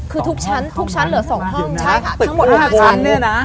คือทุกชั้นเหลือ๒ห้องใช่ค่ะทั้งหมด๕ชั้นตึก๕ชั้นเนี่ยนะ